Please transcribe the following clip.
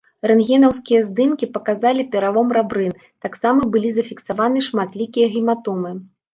Рэнтгенаўскія здымкі паказалі пералом рабрын, таксама былі зафіксаваны шматлікія гематомы.